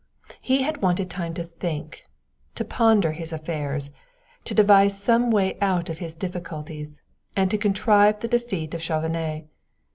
He had wanted time to think to ponder his affairs to devise some way out of his difficulties, and to contrive the defeat of Chauvenet.